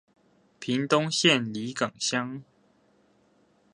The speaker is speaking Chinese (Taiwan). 屏東縣里港鄉